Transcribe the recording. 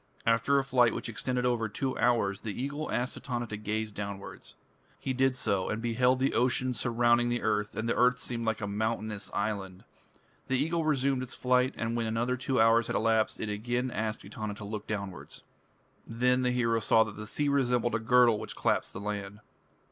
After a flight which extended over two hours, the Eagle asked Etana to gaze downwards. He did so, and beheld the ocean surrounding the earth, and the earth seemed like a mountainous island. The Eagle resumed its flight, and when another two hours had elapsed, it again asked Etana to look downwards. Then the hero saw that the sea resembled a girdle which clasped the land.